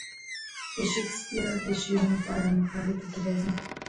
د شکسپیر د شعرونو په اړه مقالې پکې راځي.